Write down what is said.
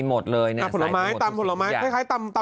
เช็ดแรงไปนี่